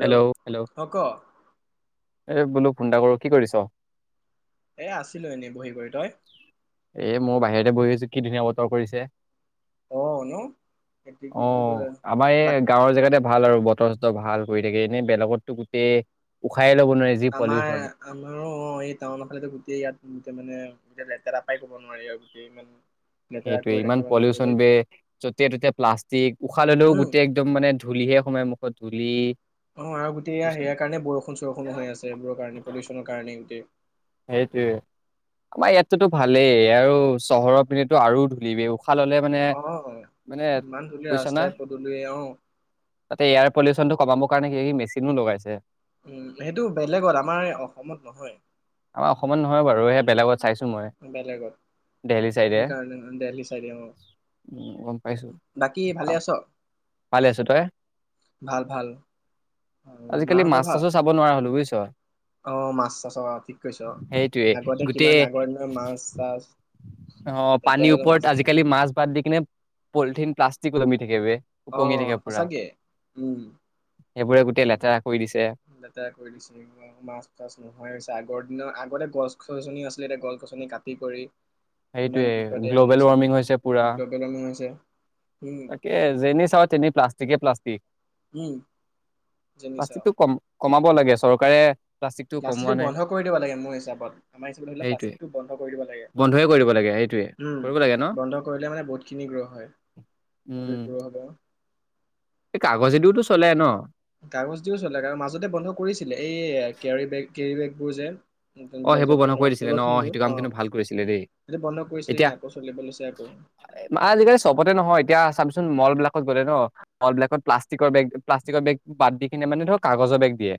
Hello hello অ ক এই বলো ফোন এটা কৰো কি কৰিছ এ আছিলো এনেই বহি কৰি, তই? এ মই বাহিৰতে বহি কি ধুনীয়া বতৰ কৰিছে অ ন এইটো কি অ বুলি কয় আমাৰ এই বাট গাঁৱৰ জেগাতে ভাল আৰু বতৰ চতৰ ভাল। হৈ থাকে এনেউ বেলেগতো গোটেই উ আমাৰ আমাৰ অঁ অঁ এই টাউন ফালেটো গোটেই ইয়াত মানে গোটেই লেতেৰা পাই ক'ব নোৱাৰি আৰু গোটেই ইমান লেতেৰা সেইটোৱে কৰি ইমান ৰাখে মানুহবোৰ পলিউচন ধেত বে, য'তে ত'তে প্লাষ্টিক উশাহ ললেও উম গোটেই একদম মানে ধূলিহে সোমাই মুখত ধূলি অ' আৰু গোটেই সেয়াৰ কাৰণে বৰষুণ- চৰষুণ হৈ আছে। এইবোৰৰ কাৰণে পলিউচনৰ কাৰণে গোটেই। সেইটোয়ে আমাৰ ইয়াত টো ভালেই আৰু চহৰৰ পিনেটো আৰু ধূুলি। খাল ল'লে মানে অ মানে ইমান ধূলি বুইচনা ৰাস্তাই পদূলিয়ে অ তাতে এয়াৰ পলিউচনটো কমাবৰ কাৰণে কিবা কিবি মেচিনো লগাইছে। উম সেইটো বেলেগত আমাৰ অসমত নহয়। আমাৰ অসমত নহয় বাৰু সেয়া বেলেগত। চাইছো মই। বেলেগৰ দেহলি চাইডে সোন কাৰণে দেলহি চাই দিয়ম উম গম পাইছো আৰু বাকী আ, ভালে আছ ভালে আছো তই ভাল ভাল মাহঁতৰ ভাল। ছ অ' মাছ চা চৰঠিক সেইটোৱে গোটেই মাছ চাছ আহ এতিয়া পানীৰ বোলে মাছ ওপৰত আজিকালি মাছ বাদ দি কিনে, পলিথিন প্লষ্টিক গল মি খে আহ সঁচাকে উম সেইবোৰে গোটেই ব লেতেৰা কৰি দিছে লেতেৰা কৰি দিছে মাছ তাছ নোহয় আগ বৰ দিনৰ আগতে গছ গছনি আছিলে এতিয়া গছ গছনি কাটি কৰি কিমান সেইটোয়ে কি কতে গ্ল'বেল হেৰিছিল গ্লবেল নাইছে, ত যে নি চও তে প্লষ্ট, চিকে প্লষ্টিক, উম জনিছা প্লাষ্টিকটো কম কমাব লাগে চৰকাৰে কমোৱা প্লাষ্টিকটো নাই বন্ধ কৰি দিব লাগে মোৰ হিচাপত আমাৰ হিচাপত স সেইটোয়ে প্লাষ্টিকটো বন্ধ কৰি দিব বন্ধয়ে কৰিব সেইটোয়ে লাগে কৰিব লাগে ন বন্ধ কৰিলে মানে বহুতখিনি গ্ৰহ হয় অ' ক হ'ব কাগজেদিওতটো চলে ন কাগজ দিও চলে মাজতে বন্ধ কৰিছিলে এই কেৰী বেগ কেৰিবেগবোৰ যেন অ' সেইবোৰ বন্ধ কৰি দিছিলে ন সেইটো কাম কিন্তু ভাল কৰিছিলে দেই সেইটো বন্ধ কৰিছিলে কিন্তু আকৌ চলিব লৈছে আকৌ এতিয়া আজিকালি চবতে নহয় এতিয়া চাবচোন মল বিলাকত গ'লে ন মল বিলাকত প্লাষ্টিকৰ বেগ প্লাষ্টিকৰ বেগ বাদ দি কিনে মানে ধৰক কাগজৰ বেগ দিয়ে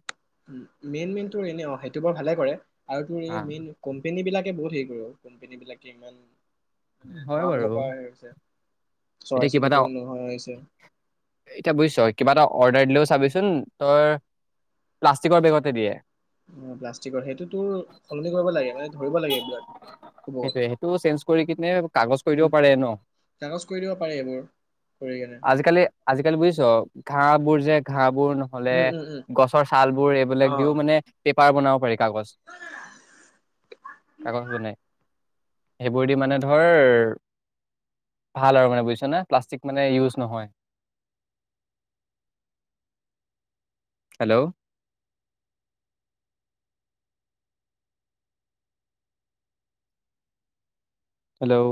মেইন মেইনতটো এনে অ সেইটো বৰ ভালে কৰে আৰু তোৰ হা এই মেইন কোম্পনী বিলাক ে বহুত হেৰি কৰে আৰু কোম্পানী বিলাকে ইমান মানে হয় বাৰু ধোঁৱাবলৈ পৰা হেৰি হৈছে চৰাই এতিয়া কিবা এটা চিৰিকটি নোহোৱা হৈছে এতিয়া বুজিছ কিবা এটা অৰ্ডাৰ দিলেও চাবিচোন তই প্লাষ্টিকৰ বেগতে দিয়ে। প্লাষ্টিকৰ সেইটোতো সলনি কৰিব লাগে মানে ধৰিব লাগে এইব সেইটোয়ে সেইটো চেঞ্জ কৰি কিনে কাগজ কৰি দিব উম পাৰে ন কাগজ কৰি দিব পাৰ এইবোৰ কৰি কেনে আজিকালি আজিকালি বুজিছ ঘাহ বোৰ যে ঘাঁ নহলে উম উম উম গছৰ চাল বোৰ এইবিলাক অ দিও মানে পাৰ বনাব পাৰি কাগজ কাগজ বনাই সেইবোৰ দি মানে ধৰ ভাল আৰু মানে বুজিছ ন প্লাষ্টিক মানে ইউজ নহয় হেল্ল' হেল্ল'